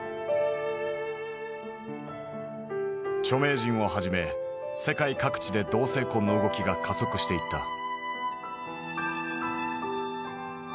著名人をはじめ世界各地で同性婚の動きが加速していった。